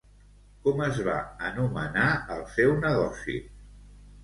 Com es va anomenar el seu negoci?